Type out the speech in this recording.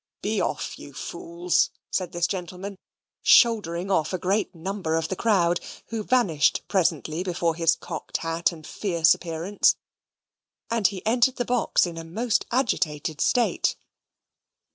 "Be off, you fools!" said this gentleman shouldering off a great number of the crowd, who vanished presently before his cocked hat and fierce appearance and he entered the box in a most agitated state.